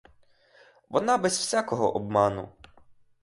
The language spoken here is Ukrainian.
Вона без всякого обману